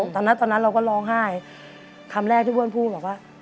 ตอนนั้นเราก็ร้องไห้คำแรกที่อ้วนพูดบอกว่า